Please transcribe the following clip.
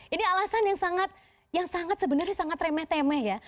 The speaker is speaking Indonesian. ini alasan yang sangat sebenarnya sangat remeh temeh ya